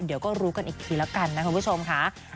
เดี๋ยวก็รู้กันอีกทีแล้วกันนะคุณผู้ชมค่ะ